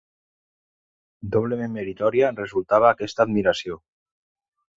Doblement meritòria resultava aquesta admiració